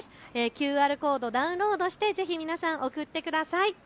ＱＲコード、ダウンロードしてぜひ皆さん送ってください。